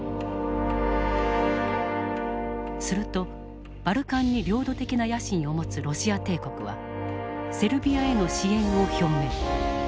するとバルカンに領土的な野心を持つロシア帝国はセルビアへの支援を表明。